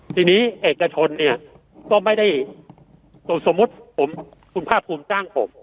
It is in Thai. ทีนี้เอกชนเนี่ยก็ไม่ได้สมมุติคุณภาคภูมิจ้างผม